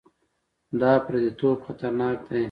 دا پرديتوب خطرناک دی.